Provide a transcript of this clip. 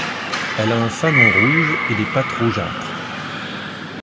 Elle a un fanon rouge et des pattes rougeâtres.